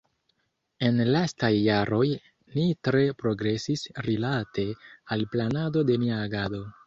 En lastaj jaroj ni tre progresis rilate al planado de nia agado.